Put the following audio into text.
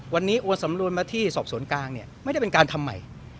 วันนี้โอนสำนวนมาที่สอบสวนกลางเนี่ยไม่ได้เป็นการทำใหม่